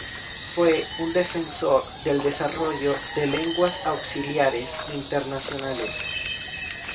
Fue un defensor del desarrollo de lenguas auxiliares internacionales.